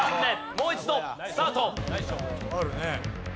もう一度スタート。